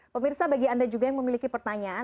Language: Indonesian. pemirsa bagi anda juga yang memiliki pertanyaan